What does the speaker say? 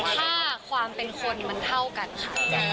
ถ้าความเป็นคนมันเท่ากันค่ะ